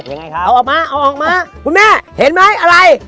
ยังไงครับเอาออกมาเอาออกมาคุณแม่เห็นไหมอะไร